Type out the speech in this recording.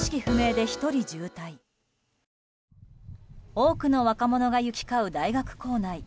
多くの若者が行き交う大学構内。